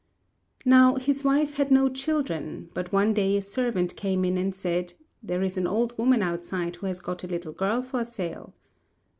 Now his wife had no children; but one day a servant came in and said, "There is an old woman outside who has got a little girl for sale."